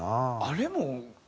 あれも。